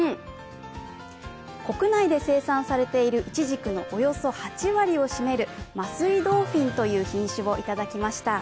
国内で生産されているいちじくのおよそ８割を占める桝井ドーフィンという品種をいただきました。